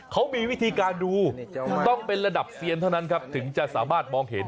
เขามีวิธีการดูต้องเป็นระดับเซียนเท่านั้นครับถึงจะสามารถมองเห็น